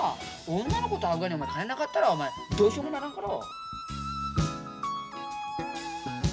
女の子と会うがに金なかったらお前どうしようもならんかろ。